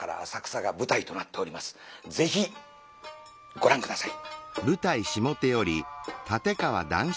ぜひご覧下さい。